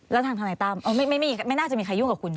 แล้วทางทนายตั้มไม่น่าจะมีใครยุ่งกับคุณ